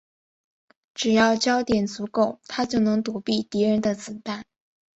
只要焦点足够她就能躲避敌人的子弹。